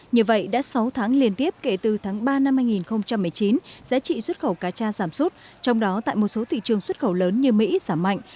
như vậy đã sáu tháng liên tiếp kể từ tháng ba năm hai nghìn một mươi chín giá trị xuất khẩu cá cha giảm sút trong đó tại một số thị trường xuất khẩu lớn như mỹ giảm mạnh